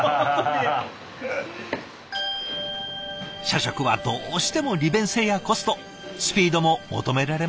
社食はどうしても利便性やコストスピードも求められますからね。